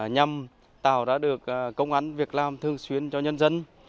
nhằm tạo ra được công an việc làm thường xuyên cho nhân dân